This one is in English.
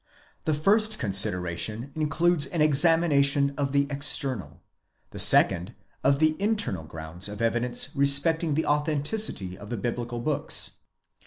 The first consideration includes an examination of the external, the second of the internal grounds of evidence respecting the authenticity of the biblical books.